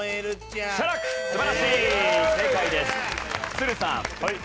都留さん。